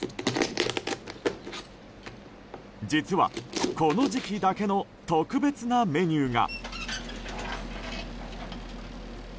実は、この時期だけの特別なメニューが。